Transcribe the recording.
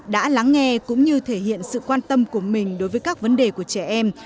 đã lắng nghe cũng như thể hiện sự quan tâm của mình đối với các vấn đề của trẻ em